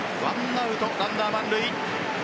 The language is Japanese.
１アウトランナー満塁。